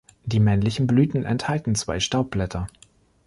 Die männlichen Blüten enthalten zwei Staubblätter.